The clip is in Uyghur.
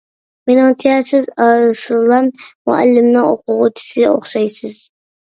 مېنىڭچە، سىز ئارسلان مۇئەللىمنىڭ ئوقۇغۇچىسى ئوخشايسىز.